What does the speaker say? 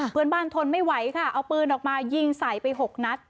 เพื่อนบ้านทนไม่ไหวค่ะเอาปืนออกมายิงใส่ไป๖นัท